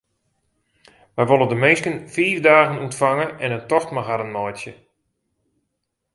Wy wolle de minsken fiif dagen ûntfange en in tocht mei harren meitsje.